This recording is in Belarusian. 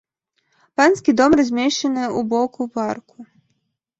Панскі дом размешчаны ў боку парку.